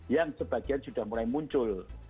yang sebagian sudah mulai muncul